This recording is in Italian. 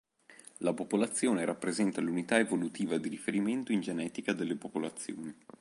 La popolazione rappresenta l'unità evolutiva di riferimento in genetica delle popolazioni.